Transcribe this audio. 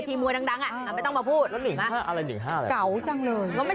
พี่พูดเลยหนึ่งแค่อะไรคืออะไร